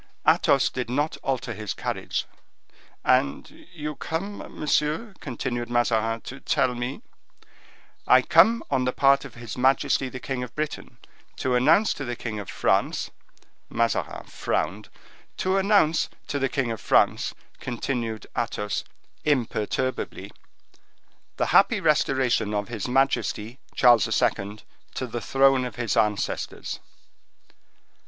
Athos did not alter his carriage. "And you come, monsieur," continued Mazarin, "to tell me—" "I come on the part of his majesty the king of Great Britain to announce to the king of France"—Mazarin frowned—"to announce to the king of France," continued Athos, imperturbably, "the happy restoration of his majesty Charles II. to the throne of his ancestors."